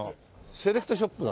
セレクトショップなの？